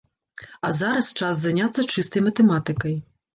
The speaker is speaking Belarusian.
А зараз час заняцца чыстай матэматыкай.